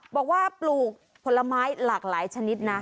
ปลูกผลไม้หลากหลายชนิดนะ